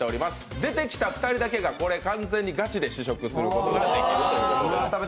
出てきた２人だけがこれ、完全にガチで試食することができます。